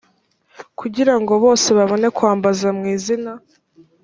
kugira ngo bose babone kwambaza mu izina